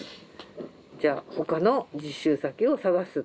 じゃあ他の実習先を探す。